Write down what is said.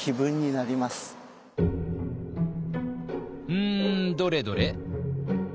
うんどれどれ？